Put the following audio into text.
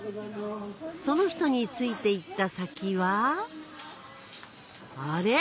その人について行った先はあれ？